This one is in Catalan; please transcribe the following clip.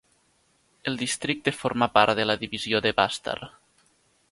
El districte forma part de la Divisió de Bastar.